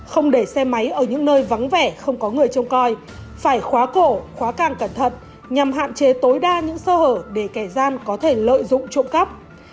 không để xe máy ở những nơi vắng vẻ không có người trông coi phải khóa cổ khóa càng cẩn thận nhằm hạn chế tối đa những sơ hở để kẻ gian có thể lợi dụng trộm cắp